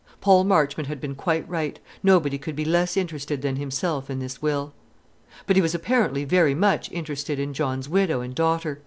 Paul Marchmont had been quite right; nobody could be less interested than himself in this will. But he was apparently very much interested in John's widow and daughter.